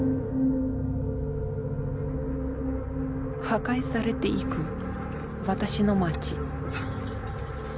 破壊されていく私の街。